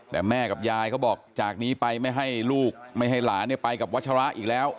แต่แม่กับยายเขาบอกจากนี้ไปไม่ให้ลูกไม่ให้หลานไปกับวัชระอีกแล้ว